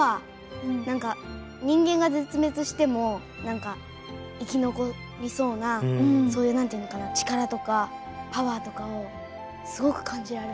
なんか人間が絶滅してもなんか生き残りそうなそういうなんていうのかな力とかパワーとかをすごく感じられました。